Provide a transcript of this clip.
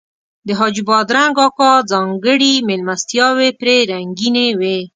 د حاجي بادرنګ اکا ځانګړي میلمستیاوې پرې رنګینې وې.